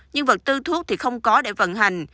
nhưng vật tư thuốc thì không có để vận hành